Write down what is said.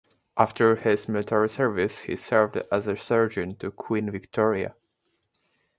After his military service, he served as a surgeon to Queen Victoria.